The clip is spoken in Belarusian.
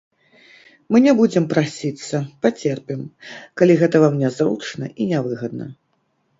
Мы не будзем прасіцца, пацерпім, калі гэта вам нязручна і нявыгадна.